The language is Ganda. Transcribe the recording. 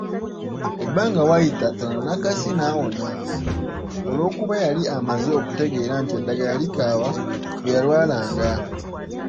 Ebbanga waayita tono Nakasi naawona olw’okuba yali amaze okutegeera nti eddagala likaawa bwe yalwalanga.